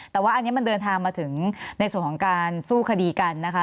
แต่ว่าอันนี้มันเดินทางมาถึงในส่วนของการสู้คดีกันนะคะ